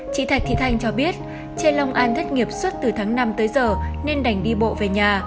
chị thạch thị thanh cho biết trên long an thất nghiệp xuất từ tháng năm tới giờ nên đành đi bộ về nhà